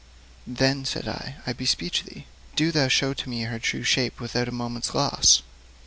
Then said I: 'I beseech thee, do thou show to me her true shape without a moment's loss.'